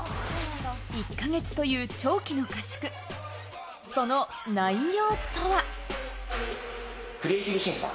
１か月という長期の合宿、その内容とは。